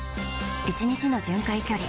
１日の巡回距離